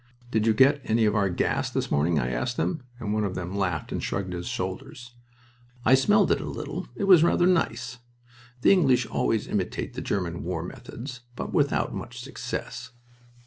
"Did you get any of our gas this morning?" I asked them, and one of them laughed and shrugged his shoulders. "I smelled it a little. It was rather nice... The English always imitate the German war methods, but without much success."